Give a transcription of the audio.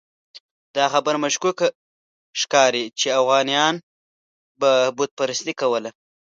دا خبره مشکوکه ښکاري چې اوغانیانو به بت پرستي کوله.